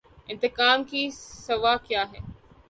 انتقام کے سوا کیا ہے۔